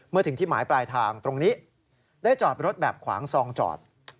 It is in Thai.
ถึงที่หมายปลายทางตรงนี้ได้จอดรถแบบขวางซองจอด